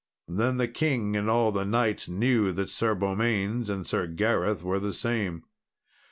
Then the king and all the knights knew that Sir Beaumains and Sir Gareth were the same.